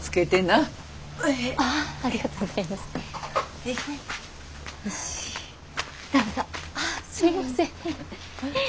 ああすみません。